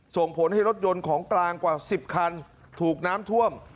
ส่งผลให้รถยนต์ของกลางกว่า๑๐คันถูกน้ำท่วม